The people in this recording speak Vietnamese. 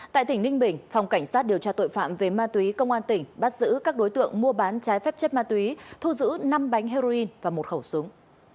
tại tỉnh ninh bình phòng cảnh sát điều tra tội phạm về ma túy công an tỉnh bắt giữ các đối tượng mua bán trái phép chất ma túy thu giữ năm bánh heroin và một khẩu súng